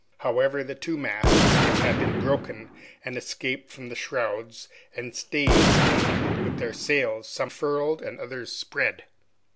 However, the two masts, which had been broken and escaped from the shrouds and stays came up, and with their sails, some furled and the others spread.